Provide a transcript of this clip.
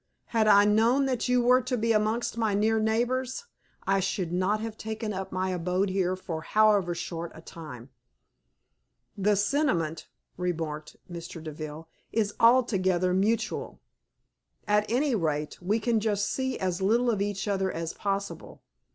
Had I known that you were to be amongst my near neighbors, I should not have taken up my abode here for however short a time." "The sentiment," remarked Mr. Deville, "is altogether mutual. At any rate, we can see as little of each other as possible.